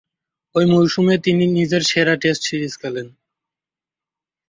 ঐ মৌসুমে তিনি নিজের সেরা টেস্ট সিরিজ খেলেন।